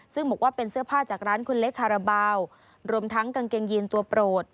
ซึ่งบอกว่าเป็นเสื้อผ้าจากร้านคุณเล็กคาราบาลรวมทั้งกางเกงยีนตัวโปรด